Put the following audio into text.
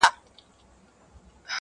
چي له عقله یې جواب غواړم ساده یم,